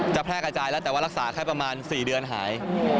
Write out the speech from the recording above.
แพร่กระจายแล้วแต่ว่ารักษาแค่ประมาณ๔เดือนหาย